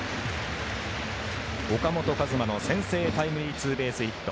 岡本和真の先制タイムリーツーベースヒット。